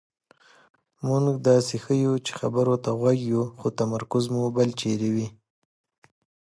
مونږ داسې ښیو چې خبرو ته غوږ یو خو تمرکز مو بل چېرې وي.